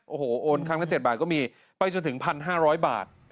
โอ้โหโอนครั้งละ๗บาทก็มีไปจนถึง๑๕๐๐บาท